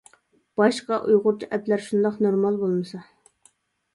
باشقا ئۇيغۇرچە ئەپلەر شۇنداق نورمال بولمىسا.